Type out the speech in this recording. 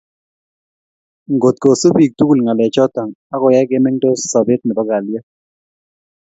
Ngotkosub bik tugul ngalechoto akoyai ko mengtos sobet nebo kalyet